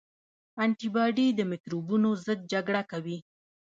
انټي باډي د مکروبونو ضد جګړه کوي